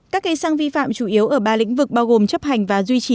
các cây xăng vi phạm chủ yếu ở ba lĩnh vực bao gồm chấp hành và duy trì